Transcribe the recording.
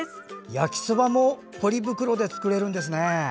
焼きそばもポリ袋で作れるんですね。